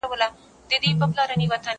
موږ چي ول دا کتاب به ګټور وي